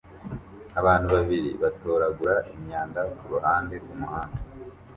Abantu babiri batoragura imyanda kuruhande rwumuhanda